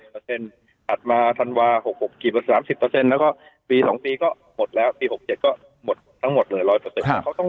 เนี่ยอัดมาทันวาหกหกกี๊ขึ้น๓๐แล้วก็ปีสองปีก็หมดแล้วปีหกเจ็ดก็หมดทั้งหมดเลยร้อยเปอร์เซ็นต์